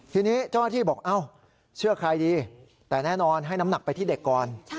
ทีนี้เจ้าหน้าที่บอกเอ้าเชื่อใครดีแต่แน่นอนให้น้ำหนักไปที่เด็กก่อน